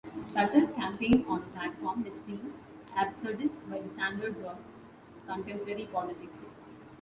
Tuttle campaigned on a platform that seemed absurdist by the standards of contemporary politics.